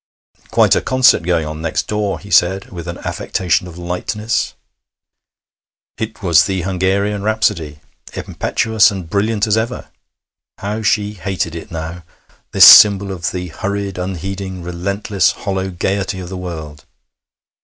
'Quite a concert going on next door,' he said with an affectation of lightness. It was the Hungarian Rhapsody, impetuous and brilliant as ever. How she hated it now this symbol of the hurried, unheeding, relentless, hollow gaiety of the world!